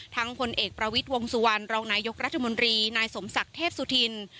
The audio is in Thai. ผลเอกประวิทย์วงสุวรรณรองนายกรัฐมนตรีนายสมศักดิ์เทพสุธิน